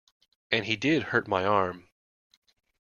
And he did hurt my arm.